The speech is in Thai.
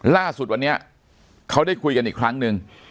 ล่าสุดวันนี้เขาได้คุยกันอีกครั้งหนึ่ง